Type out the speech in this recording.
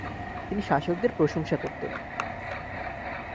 তিনি শাসকদের প্রশংসা করতেন।